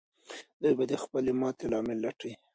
دوی به د خپلې ماتې لامل لټوي.